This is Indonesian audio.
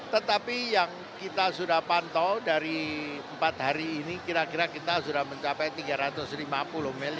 tetapi yang kita sudah pantau dari empat hari ini kira kira kita sudah mencapai tiga ratus lima puluh meli